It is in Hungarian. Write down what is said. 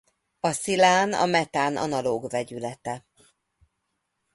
A szilán a metán analóg vegyülete.